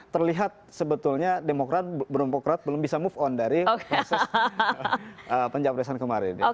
terlihat sebetulnya demokrat bromokrat belum bisa move on dari proses pencapresan kemarin